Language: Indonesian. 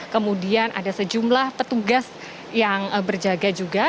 kemudian ada sejumlah petugas yang berjaga juga